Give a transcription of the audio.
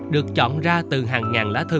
được chọn ra từ hàng ngàn lá thư